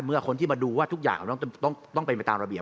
เมื่อคนที่มาดูว่าทุกอย่างต้องเป็นไปตามระเบียบ